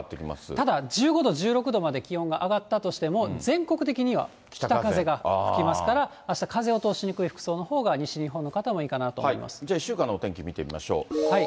ただ１５度、１６度まで気温が上がったとしても、全国的には北風が吹きますから、あした風を通しにくい服装のほうが西日本の方はいいかなと思いまじゃあ、１週間のお天気見ていきましょう。